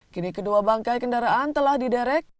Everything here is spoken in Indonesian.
kini kedua bangkai kendaraan telah diderek